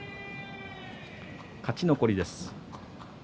勝ち残りです。